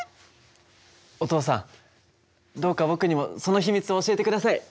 お父さんどうか僕にもその秘密を教えて下さい！